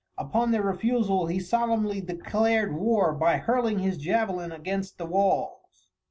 Upon their refusal he solemnly declared war by hurling his javelin against the walls.